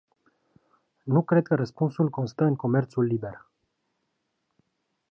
Nu cred că răspunsul constă în comerțul liber.